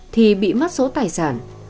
thì bị mất số tài sản